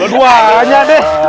lu dua aja deh